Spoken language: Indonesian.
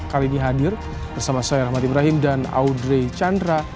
kali ini hadir bersama saya rahmatib rahim dan audrey chandra